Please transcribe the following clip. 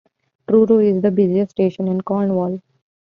Truro is the busiest station in Cornwall.